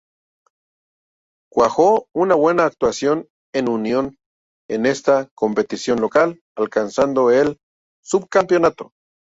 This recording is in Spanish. Cuajó una buena actuación el Unión en esta competición local, alcanzando el subcampeonato.